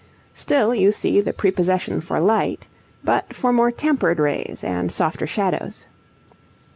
Still you see the prepossession for light, but for more tempered rays and softer shadows.